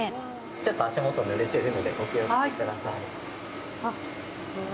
ちょっと足元ぬれているのでお気をつけください。